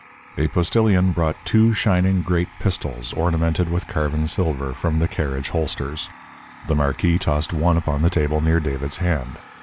A postilion brought two shining great pistols ornamented with carven silver, from the carriage holsters. The marquis tossed one upon the table near David's hand.